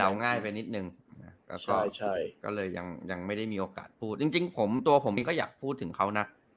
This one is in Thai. อย่างนี้นึงกับข้องนั้นก็ไม่ได้มีโอกาสพูดจริงสวอบสอบผมก็อยากพูดถึงเค้าน่ะ